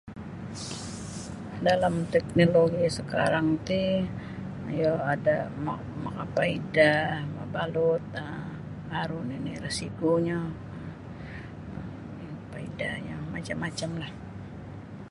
Dalam teknologi sakarang ti iyo ada ma-makapaida mabalut um aru nini risikonyo paidanyo macam-macam lah.